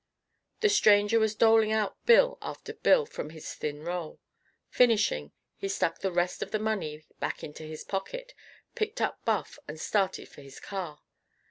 The stranger was doling out bill after bill from his thin roll. Finishing, he stuck the rest of his money back into his pocket, picked up Buff, and started for his car.